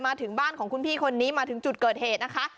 มาถึงบ้านของคุณพี่คนนี้มาถึงจุดเกิดเหตุนะคะ